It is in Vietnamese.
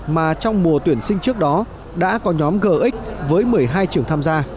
mà trong mùa tuyển sinh trước đó đã có nhóm gx với một mươi hai trường tham gia